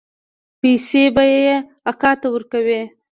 پيسې به دې اکا ته ورکوې.